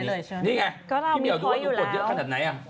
นี่ไงพี่เหี่ยวดูว่าหนูกดเยอะขนาดไหน